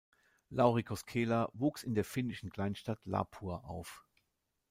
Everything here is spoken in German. Lauri Koskela wuchs in der finnischen Kleinstadt Lapua auf.